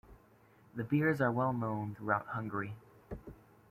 The beers are well known throughout Hungary.